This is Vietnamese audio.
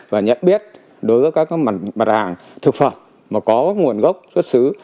và nhận biết đối với các mặt hàng thực phẩm mà có nguồn gốc xuất xứ